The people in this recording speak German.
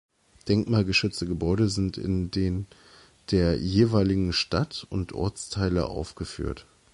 Denkmalgeschützte Gebäude sind in den der jeweiligen Stadt- und Ortsteile aufgeführt.